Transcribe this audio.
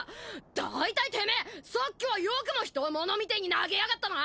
だいたいてめえさっきはよくも人を物みてえに投げやがったな！